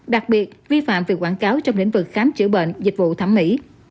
đặc biệt vi phạm về quảng cáo trong lĩnh vực khám chữa bệnh dịch vụ thẩm mỹ